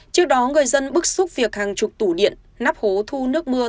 trước đó người dân bức xúc việc hàng chục tủ điện nắp hố thu nước mưa